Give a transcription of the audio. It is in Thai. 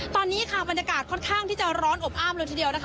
ตอนนี้มีบริการที่ค่อนข้างข้อมหยอดถ่วน